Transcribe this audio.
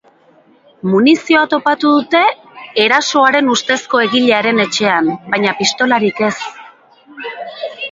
Munizioa topatu dute erasoaren ustezko egilearen etxean, baina pistolarik ez.